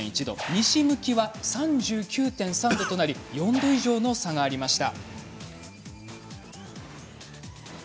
西向きは３９．３度となり４度以上の差がありました。